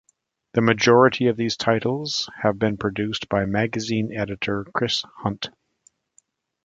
The majority of these titles have been produced by magazine editor Chris Hunt.